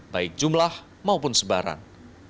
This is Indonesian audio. baik jumlah maupun sebaran